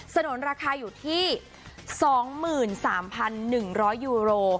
ถนนราคาอยู่ที่๒๓๑๐๐ยูโร